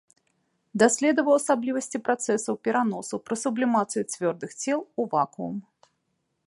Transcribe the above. Даследаваў асаблівасці працэсаў пераносу пры сублімацыі цвёрдых цел у вакуум.